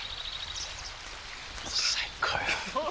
最高よ。